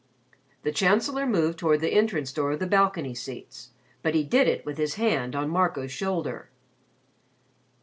The Chancellor moved toward the entrance door of the balcony seats, but he did it with his hand on Marco's shoulder.